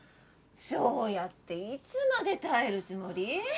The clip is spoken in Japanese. そうやっていつまで耐えるつもり？